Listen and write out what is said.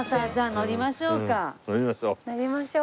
乗りましょう。